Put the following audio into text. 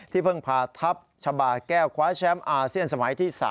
เพิ่งพาทัพชาบาแก้วคว้าแชมป์อาเซียนสมัยที่๓